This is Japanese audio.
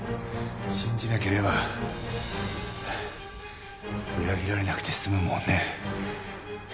信じなければ裏切られなくて済むもんね。